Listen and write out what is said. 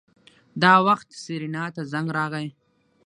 دا وخت سېرېنا ته زنګ راغی.